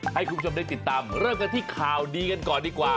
ให้คุณผู้ชมได้ติดตามเริ่มกันที่ข่าวดีกันก่อนดีกว่า